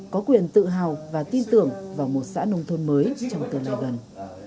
có quyền tự hào và tin tưởng vào một xã nông thôn mới trong tương lai gần